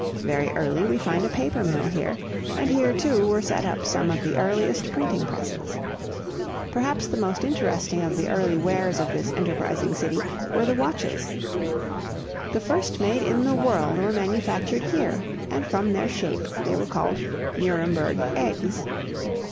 Very early we find a paper mill here, and here, too, were set up some of the earliest printing presses. Perhaps the most interesting of the early wares of this enterprising city were the watches. The first made in the world were manufactured here and from their shape they were called "Nuremberg Eggs."